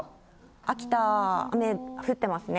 秋田、雨、降ってますね。